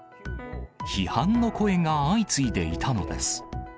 批判の声が相次いでいたのです。